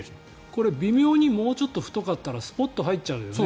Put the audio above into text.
これ、微妙にもうちょっと太かったらスポッと入っちゃうよね。